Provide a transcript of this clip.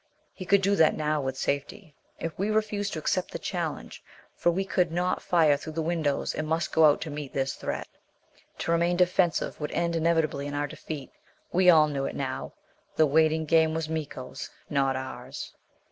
He could do that now with safety if we refused to accept the challenge for we could not fire through the windows and must go out to meet this threat. To remain defensive would end inevitably in our defeat. We all knew it now. The waiting game was Miko's not ours.